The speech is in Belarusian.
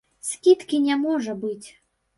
Скідкі не можа быць.